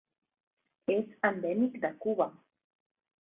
És endèmic de Cuba.